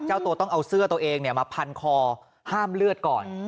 เจ้าตัวต้องเอาเสื้อตัวเองมาพันคอห้ามเลือดก่อน